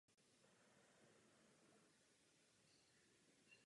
Měla tři děti.